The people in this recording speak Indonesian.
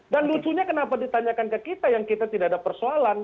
dan lucunya kenapa ditanyakan ke kita yang kita tidak ada persoalan